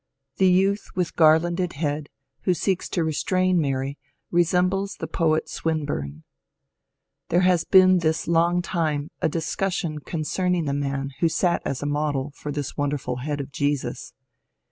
The youth with garlanded head who seeks to restrain Mary resembles the poet Swin burne. There has been this long time a discussion concerning the man who sat as model for this wonderful ^^ Head of Jesus."